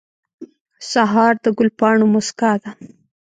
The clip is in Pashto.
سهار د ګل پاڼو موسکا ده.